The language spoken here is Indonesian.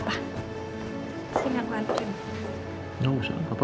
sini aku lanjut